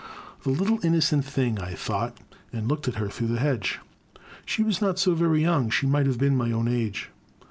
The little innocent thing," I thought, and looked at her through the hedge. She was not so very young; she might have been my own age.